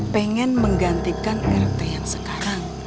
pengen menggantikan rt yang sekarang